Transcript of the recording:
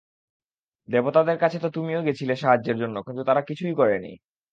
দেবতাদের কাছে তো তুমিও গেছিলে সাহায্যের জন্য, কিন্তু তারা কিছুই করেনি।